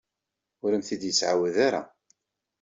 Ur am-t-id-yettɛawad ara.